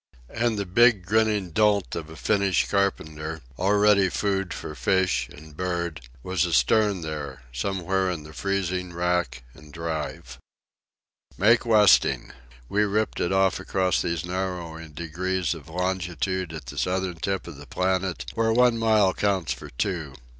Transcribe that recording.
And the big grinning dolt of a Finnish carpenter, already food for fish and bird, was astern there somewhere in the freezing rack and drive. Make westing! We ripped it off across these narrowing degrees of longitude at the southern tip of the planet where one mile counts for two.